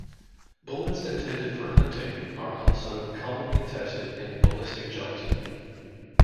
Bullets intended for hunting are also commonly tested in ballistic gelatin.